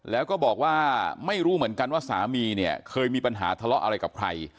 แล้วก็บอกว่าไม่รู้เหมือนกันว่าสามีเนี่ยเคยมีปัญหาทะเลาะอะไรกับใคร